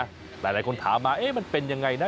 หลายคนถามมามันเป็นยังไงนะ